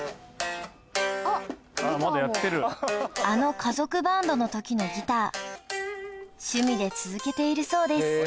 あの家族バンドの時のギター趣味で続けているそうです